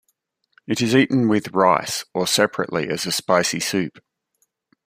It is eaten with rice or separately as a spicy soup.